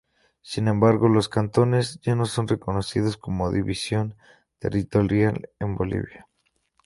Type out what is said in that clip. Sin embargo, los cantones ya no son reconocidos como división territorial en Bolivia.